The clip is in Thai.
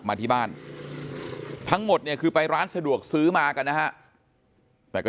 มาที่บ้านทั้งหมดเนี่ยคือไปร้านสะดวกซื้อมากันนะฮะแต่ก็